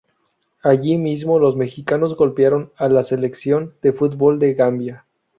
Allí mismo los mexicanos golearon a la Selección de fútbol de Gambia.